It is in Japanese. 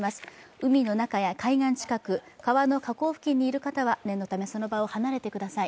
海の中や海岸近く、川の河口付近にいる方は念のためその場を離れてください